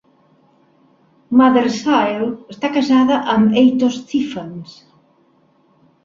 Mothersille està casada amb Ato Stephens.